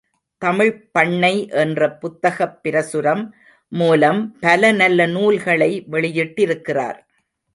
தமிழ்ப் பண்ணை என்ற புத்தகப் பிரசுரம் மூலம் பல நல்ல நூல்களை வெளியிட்டிருக்கிறார்.